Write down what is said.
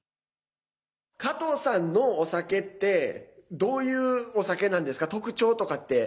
加藤さんのお酒ってどういうお酒なんですか？